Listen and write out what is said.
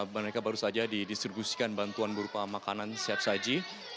mereka baru saja didistribusikan bantuan berupa makanan siap saji